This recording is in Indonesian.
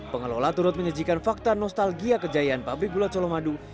pengelola turut menyajikan fakta nostalgia kejayaan pabrik gula colomadu